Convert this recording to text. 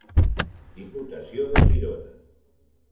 Diputació de Girona.